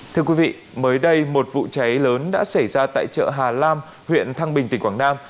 thưa quý vị mới đây một vụ cháy lớn đã xảy ra tại chợ hà lam huyện thăng bình tỉnh quảng nam